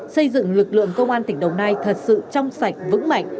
xây dựng lực lượng công an tỉnh đồng nai thật sự trong sạch vững mạnh